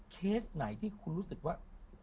เคสไหนที่คุณรู้สึกว่า